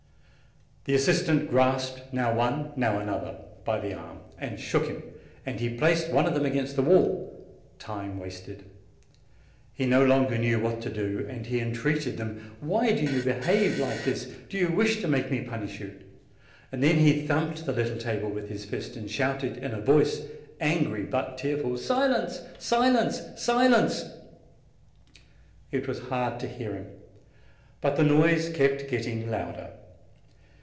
The assistant grasped now one, now another, by the arm, and shook him; and he placed one of them against the wall time wasted. He no longer knew what to do, and he entreated them. "Why do you behave like this? Do you wish to make me punish you?" Then he thumped the little table with his fist, and shouted in a voice, angry but tearful, "Silence! silence! silence!" It was hard to hear him. But the noise kept getting louder.